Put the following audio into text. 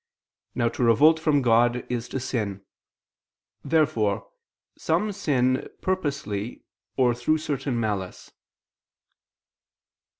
Now to revolt from God is to sin. Therefore some sin purposely or through certain malice.